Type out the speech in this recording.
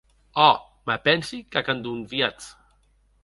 Òc, me pensi qu'ac endonviatz.